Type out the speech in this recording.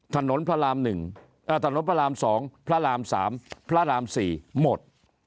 ถนนพระราม๒พระราม๓พระราม๔หมด